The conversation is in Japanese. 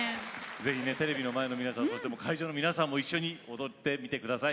ぜひねテレビの前の皆さんそして会場の皆さんも一緒に踊ってみて下さい。